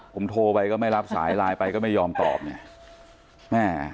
ผมโทรไปก็ไม่รับสายไลน์ไปก็ไม่ยอมตอบเนี่ยแม่